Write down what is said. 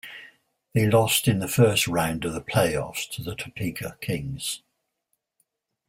They lost in the first round of the playoffs to the Topeka Kings.